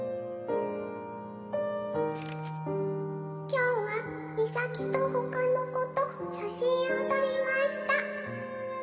「きょうはミサキとほかのことしゃしんをとりました」